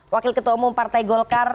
wakil ketua umum partai golkar